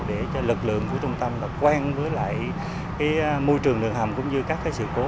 để cho lực lượng của trung tâm quen với lại môi trường đường hầm cũng như các sự cố